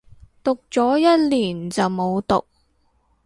讀咗一年就冇讀